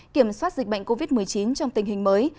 kiểm soát dịch bệnh covid một mươi chín trong tình hình mới